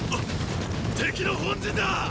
敵の本陣だ！